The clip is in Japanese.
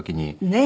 ねえ。